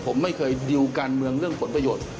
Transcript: ผมไม่เคยดิวการเมืองเรื่องผลประโยชน์